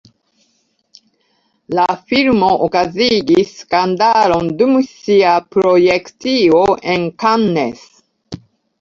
La filmo okazigis skandalon dum sia projekcio en Cannes.